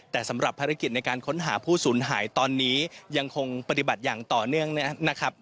แต่สำหรับภารกิจในการค้นหาผู้สูญหายตอนนี้ยังคงปฏิบัติอย่างต่อเนื่องนะครับ